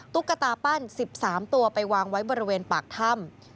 ตุ๊กตาปั้น๑๓ตัวไปวางไว้บริเวณปากถ้ำ